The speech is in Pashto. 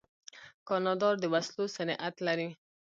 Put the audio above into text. کاناډا د وسلو صنعت لري.